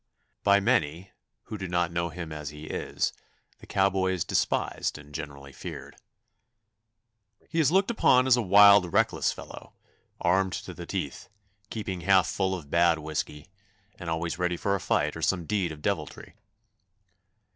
By many, who do not know him as he is, the cowboy is despised and generally feared. He is looked upon as a wild, reckless fellow, armed to the teeth, keeping half full of bad whisky, and always ready for a fight or some deed of deviltry.